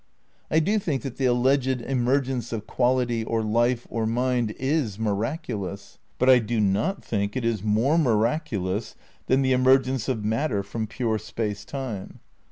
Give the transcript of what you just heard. I do think that the alleged emergence of quality or life or mind is miraculous, but I do not think it is more miraculous than the emergence of matter from pure Space Time.